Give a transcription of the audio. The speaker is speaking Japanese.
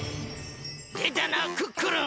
でたなクックルン！